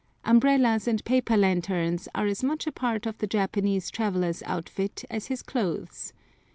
Umbrellas and paper lanterns are as much a part of the Japanese traveller's outfit as his clothes.